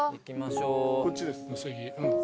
こっちです。